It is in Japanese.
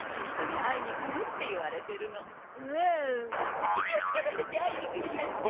お尻を光らせて会いに来るなんて素敵。